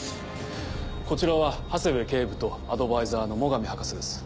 こちらは長谷部警部とアドバイザーの最上博士です。